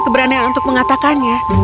keberanian untuk mengatakannya